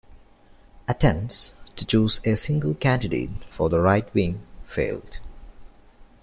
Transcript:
Attempts to choose a single candidate for the right-wing failed.